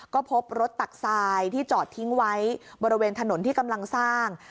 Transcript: ก็พบรถตักทรายที่จอดทิ้งไว้บริเวณถนนที่กำลังสร้าง